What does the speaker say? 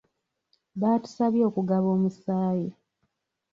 Baatusabye okugaba omusaayi.